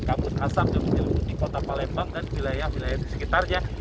kabut asap yang menyelimuti kota palembang dan wilayah wilayah di sekitarnya